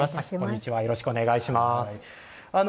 こんにちは、よろしくお願いします。